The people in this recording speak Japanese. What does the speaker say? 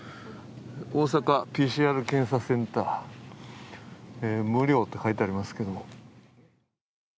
大阪ＰＣＲ検査センター、無料と書いてありますけれども。